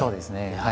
はい。